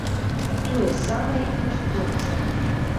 Тое самае і ў спорце.